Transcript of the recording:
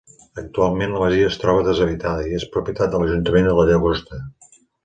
Actualment la masia es troba deshabitada i és propietat de l'Ajuntament de la Llagosta.